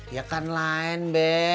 ya kan lain be